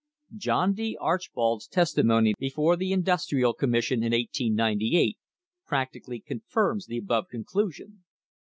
John D. Archbold's testimony before the Industrial Commission in 1898 practically confirms the above conclusion.